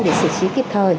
để xử trí kịp thời